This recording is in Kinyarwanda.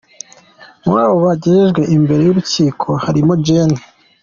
Muri abo bagejejwe imbere y’urukiko harimo Gen.